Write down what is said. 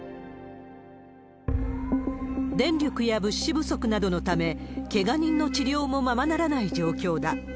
電力や物資不足などのため、けが人の治療もままならない状況だ。